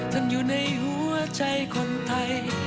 อยู่ในหัวใจคนไทย